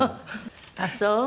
ああそう。